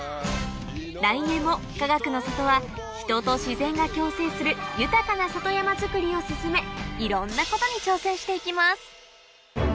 来年もかがくの里は人と自然が共生する豊かな里山づくりを進めいろんなことに挑戦して行きます